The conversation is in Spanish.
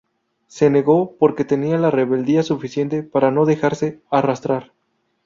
Se negó, porque tenía la rebeldía suficiente para no dejarse arrastrar.